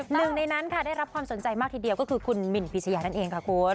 หนึ่งในนั้นค่ะได้รับความสนใจมากทีเดียวก็คือคุณหมินพิชยานั่นเองค่ะคุณ